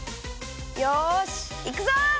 よしいくぞ！